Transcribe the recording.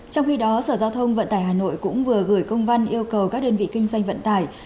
trong khi đó sở giao thông vận tải hà nội cũng vừa gửi công văn yêu cầu các đơn vị kinh doanh vận tải